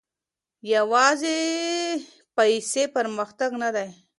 يوازي پيسې پرمختګ نه دی.